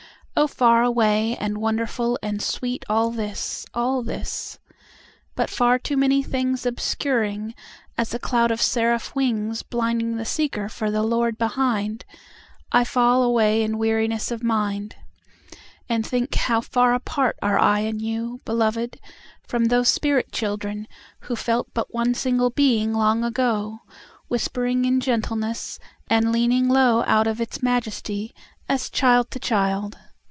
Oh, far away and wonderful and sweetAll this, all this. But far too many thingsObscuring, as a cloud of seraph wingsBlinding the seeker for the Lord behind,I fall away in weariness of mind. And think how far apart are I and you, Beloved, from those spirit children whoFelt but one single Being long ago, Whispering in gentleness and leaning lowOut of its majesty, as child to child.